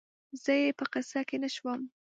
زه یې په قصه کې نه شوم